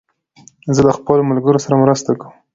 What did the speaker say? زه د خپلو ملګرو سره مرسته کوم.